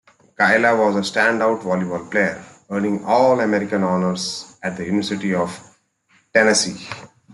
Kayla was a standout volleyball player, earning All-American honors at the University of Tennessee.